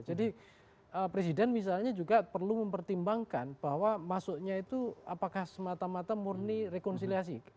jadi presiden misalnya juga perlu mempertimbangkan bahwa masuknya itu apakah semata mata murni rekonsiliasi